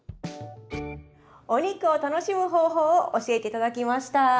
お肉を楽しむ方法を教えていただきました。